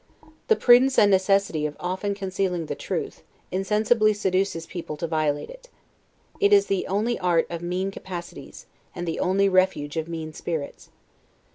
The prudence and necessity of often concealing the truth, insensibly seduces people to violate it. It is the only art of mean capacities, and the only refuge of mean spirits.